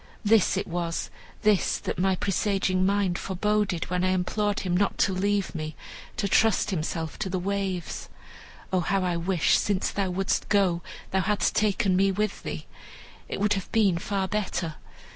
"This it was, this that my presaging mind foreboded, when I implored him not to leave me, to trust himself to the waves. Oh, how I wish, since thou wouldst go, thou hadst taken me with thee! It would have been far better.